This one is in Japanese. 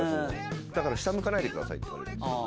だから下向かないでくださいって言われて。